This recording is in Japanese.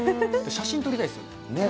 写真撮りたいですよね。